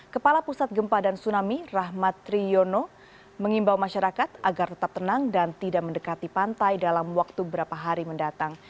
kepala pusat gempa dan tsunami rahmat riono mengimbau masyarakat agar tetap tenang dan tidak mendekati pantai dalam waktu beberapa hari mendatang